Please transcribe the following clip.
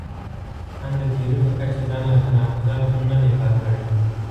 ان د تیوري په کچه ځان له تناقضاتو نه دی پاک کړی.